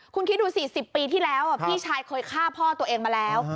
คุณคิดดู๔๐ปีที่แล้วพี่ชายเคยฆ่าพ่อตัวเองมาแล้ว